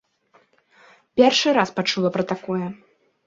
Першы раз пачула пра такое.